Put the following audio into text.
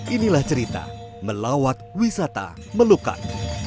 inilah cerita melawat wisata melukat